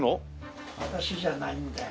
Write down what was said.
私じゃないんだよ。